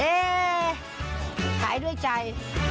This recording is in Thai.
เฮ่ขายด้วยใจ